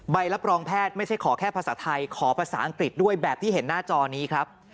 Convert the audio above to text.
ใบรับรองแพทย์ไม่ใช่ขอแค่ภาษาไทยขอภาษาอังกฤษด้วยแบบที่เห็นหน้าจอนี้ครับ